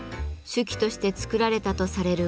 酒器として作られたとされる